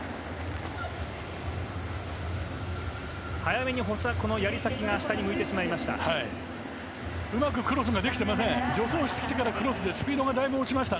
早めに、やり先が下に向いてしまいました。